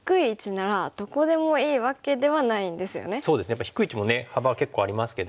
やっぱり低い位置もね幅結構ありますけども。